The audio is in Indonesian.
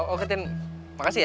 oke tin makasih ya